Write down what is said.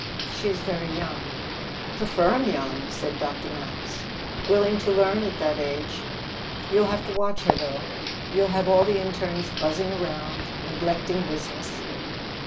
"She is very young." "Prefer 'em young," said Dr. Max. "Willing to learn at that age. You'll have to watch her, though. You'll have all the internes buzzing around, neglecting business."